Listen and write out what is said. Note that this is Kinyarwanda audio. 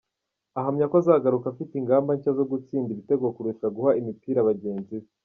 Ahamya ko azagaruka afite ingamba nshya zo gutsinda ibitego kurusha guha imipira bagenzi be.